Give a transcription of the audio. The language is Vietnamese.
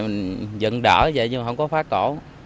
mình dựng đỡ vậy nhưng không có phá cổ